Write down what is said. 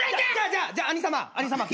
じゃあじゃあ兄さま。